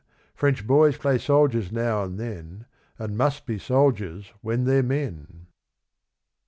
French boys play soldiers now and then, And must be soldiers when they're men.